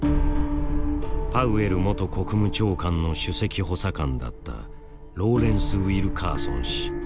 パウエル元国務長官の首席補佐官だったローレンス・ウィルカーソン氏。